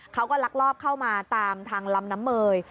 ลักลอบเข้ามาตามทางลำน้ำเมย